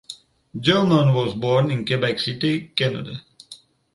Gillman was born in Quebec City, Canada.